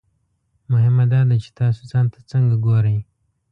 مهمه دا ده چې تاسو ځان ته څنګه ګورئ.